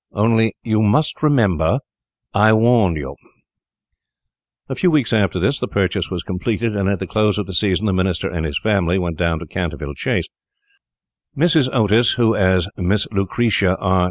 Only you must remember I warned you." [Illustration: MISS VIRGINIA E. OTIS] A few weeks after this, the purchase was concluded, and at the close of the season the Minister and his family went down to Canterville Chase. Mrs. Otis, who, as Miss Lucretia R.